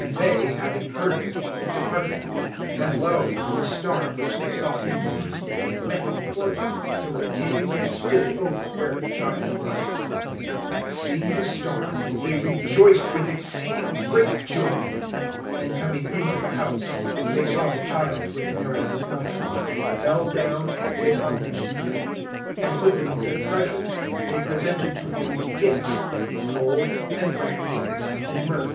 (9)And they, having heard the king, departed; and lo, the star, which they saw in the east, went before them, till it came and stood over where the child was. (10)And seeing the star, they rejoiced with exceeding great joy. (11)And coming into the house, they saw the child with Mary his mother, and fell down, and did homage to him; and opening their treasures, they presented to him gifts, gold and frankincense and myrrh.